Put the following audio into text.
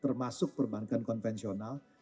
termasuk perbankan konvensional